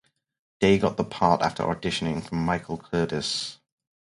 Day got the part after auditioning for Michael Curtiz.